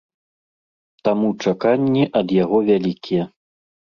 Таму чаканні ад яго вялікія.